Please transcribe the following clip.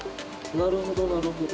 なるほどなるほど。